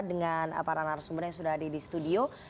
dengan para narasumber yang sudah ada di studio